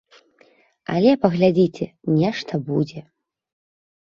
Але, паглядзіце, нешта будзе.